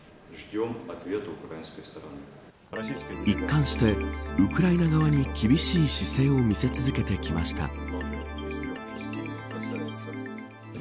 一貫してウクライナ側に厳しい姿勢を見せ続けてきました。